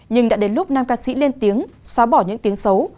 nhưng đã đến lúc nam ca sĩ lên tiếng xóa bỏ những tiếng xấu